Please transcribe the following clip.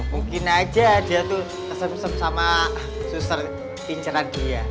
mungkin aja dia itu keseb seb sama suster pincaran kapunya